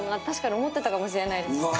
確かに思ってたかもしれないです。